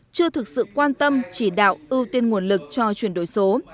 chưa thực sự quan tâm chỉ đạo ưu tiên nguồn lực cho chuyển đổi số